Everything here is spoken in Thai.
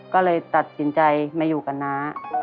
ก็เลยตัดสินใจมาอยู่กับน้า